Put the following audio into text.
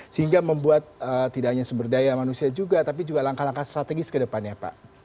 sehingga membuat tidak hanya sumber daya manusia juga tapi juga langkah langkah strategis ke depannya pak